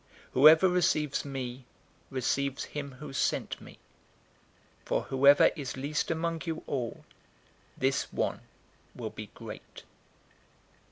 Whoever receives me receives him who sent me. For whoever is least among you all, this one will be great."